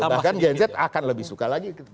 bahkan gen z akan lebih suka lagi